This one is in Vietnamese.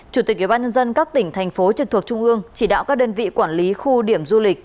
chủ tịch ủy ban nhân dân các tỉnh thành phố trực thuộc trung ương chỉ đạo các đơn vị quản lý khu điểm du lịch